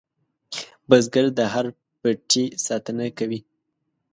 بزګر د هر پټي ساتنه کوي